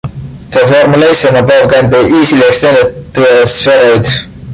The formulation above can be easily extended to a spheroid.